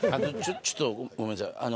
ちょっとごめんなさい